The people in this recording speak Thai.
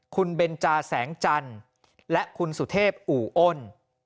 คุณเบนจาแสงจันทร์และคุณสุเทพอู่อ้น